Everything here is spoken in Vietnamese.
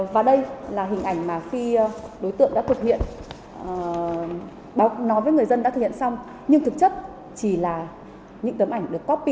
và đây là hình ảnh mà khi đối tượng đã thực hiện nói với người dân đã thực hiện xong nhưng thực chất chỉ là những tấm ảnh được coppy